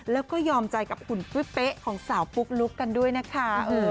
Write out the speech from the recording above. แล้วก็ยอมใจกับหุ่นเป๊ะของสาวปุ๊กลุ๊กกันด้วยนะคะ